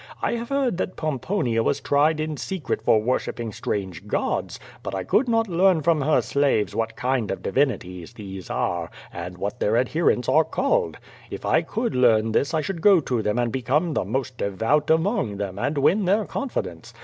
I have heard that Pomponia was tried in secret for worshipping strange Gods, but I could not learn from her slaves what kind of divinities these are, and what their adherents are called. If I could learn this I should go to them and become the most devout among them and win their confidence.